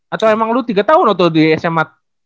atau emang lu tiga tahun atau di sma